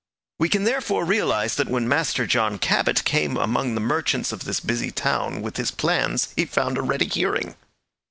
We can therefore realize that when Master John Cabot came among the merchants of this busy town with his plans he found a ready hearing.